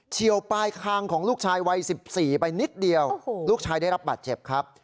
ี่ยวปลายคางของลูกชายวัย๑๔ไปนิดเดียวลูกชายได้รับบาดเจ็บครับ